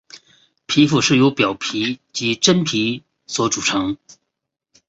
皮肤是由表皮及真皮所组成。